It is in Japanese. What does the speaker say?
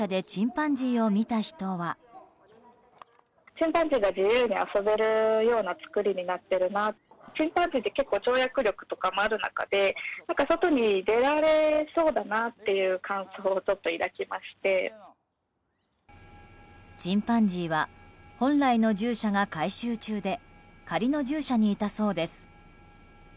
チンパンジーは本来の獣舎が改装中で仮の獣舎にいたそうです。